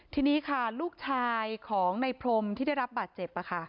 ทีนี้ค่ะลูกชายของในพรมที่ได้รับบาดเจ็บ